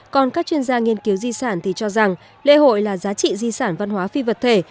còn các chuyên gia nghiên cứu di sản thì cho rằng lễ hội là giá trị di sản văn hóa phi vật thể